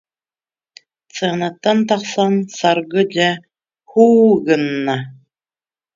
Сценаттан тахсан Саргы дьэ «һуу» гынна